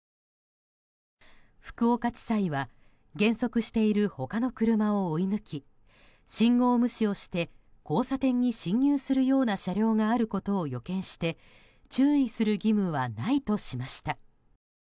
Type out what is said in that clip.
福岡地裁は減速している他の車を追い抜き信号無視をして交差点に進入するような車両があることを予見して注意する義務はないとしました。